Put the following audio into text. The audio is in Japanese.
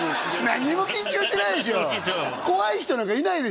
何も緊張してないでしょ？